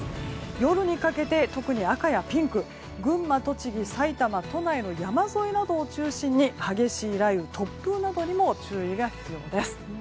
夜にかけて、特に赤やピンク群馬、栃木、埼玉都内の山沿いなどを中心に激しい雷雨、突風などにも注意が必要です。